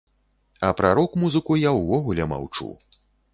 А пра рок-музыку я ўвогуле маўчу.